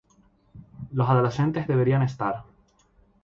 los adolescentes deberían estar